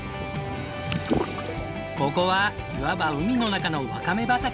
ここはいわば海の中のワカメ畑！